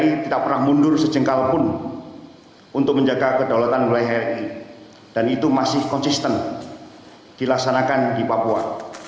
kami tidak pernah mundur sejengkal pun untuk menjaga kedaulatan wilayah ri dan itu masih konsisten dilaksanakan di papua